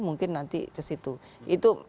mungkin nanti kesitu itu